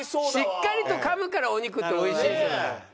しっかりと噛むからお肉っておいしい。